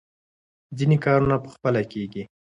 ځینې کارونه په خپله کېږي.